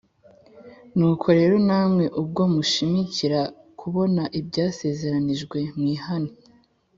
Nuko rero namwe ubwo mushimikira kubona ibyasezeranijwe mwihane